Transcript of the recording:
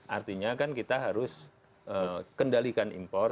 artinya kan kita harus kendalikan impor